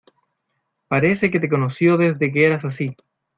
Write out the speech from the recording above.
Parece que te conoció desde que eras así.